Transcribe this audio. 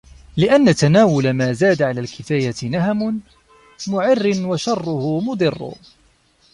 لِأَنَّ تَنَاوُلَ مَا زَادَ عَلَى الْكِفَايَةِ نَهَمٌ مُعَرٍّ وَشَرَهٌ مُضِرٌّ